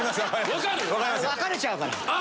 分かれちゃうから。